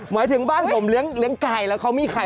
หมายถึงบ้านผมเลี้ยงไก่แล้วเขามีไข่